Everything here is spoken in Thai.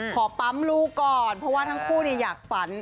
ขอปั๊มลูกก่อนเพราะว่าทั้งคู่อยากฝัน